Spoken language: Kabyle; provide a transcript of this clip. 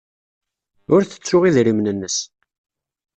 Ur tettu idrimen-nnes.